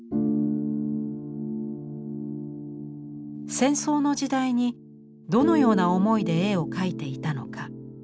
戦争の時代にどのような思いで絵を描いていたのか。